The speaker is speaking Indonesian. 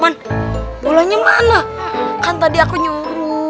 ya tolongnya malah diomelin